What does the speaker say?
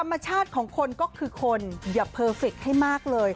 ธรรมชาติของคนก็คือคนอย่าเพอร์เฟคให้มากเลย